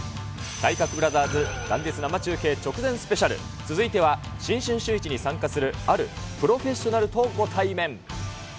体格ブラザーズ、元日生中継直前スペシャル、続いては、新春シューイチに参加するあるプロフェッショナルとご対面。